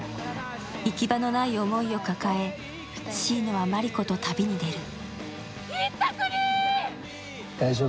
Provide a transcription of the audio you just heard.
行き場のない思いを抱え、シイノはマリコと旅に出る。